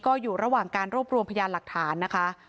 ก็อยู่ระหว่างการรวบรวมพยานหลักฐานนะคะ